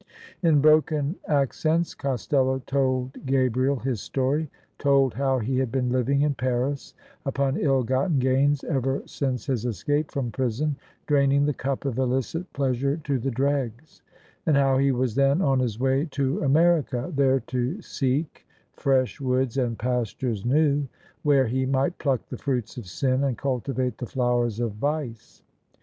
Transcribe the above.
In broken accents Costello told Gabriel his story. Told how he had been living in Paris upon ill gotten gains ever $ince his escape from prison, draining the cup of illicit pleas ure to the dregs : and how he was then on his way to Amer ica, there to seek " fresh woods and pastures new," where he might pluck the fruits of sin and cultivate the flowers of vice.